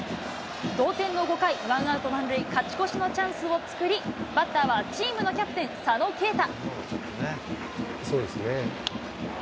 同点の５回、ワンアウト満塁、勝ち越しのチャンスを作り、バッターはチームのキャプテン、佐野恵太。